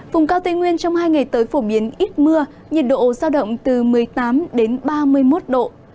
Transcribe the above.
vùng cao tây nguyên trong hai ngày tới phổ biến ít mưa nhiệt độ giao động từ một mươi tám đến ba mươi một độ